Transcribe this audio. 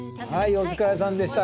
お疲れさまでした。